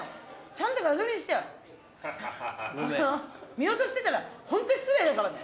見落としてたらホント失礼だからね！